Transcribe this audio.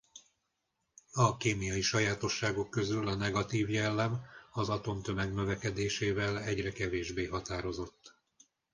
A kémiai sajátosságok közül a negatív jellem az atomtömeg növekedésével egyre kevésbé határozott.